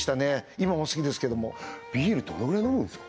今も好きですけどもビールどのぐらい飲むんですか？